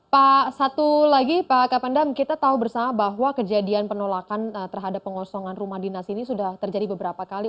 pak satu lagi pak kapandam kita tahu bersama bahwa kejadian penolakan terhadap pengosongan rumah dinas ini sudah terjadi beberapa kali